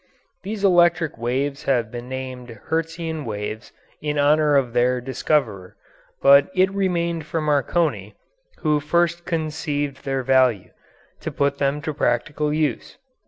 These electric waves have been named "Hertzian waves," in honour of their discoverer; but it remained for Marconi, who first conceived their value, to put them to practical use.